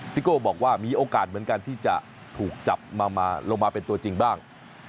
ซิโก้บอกว่ามีโอกาสเหมือนกันที่จะถูกจับมาลงมาเป็นตัวจริงบ้าง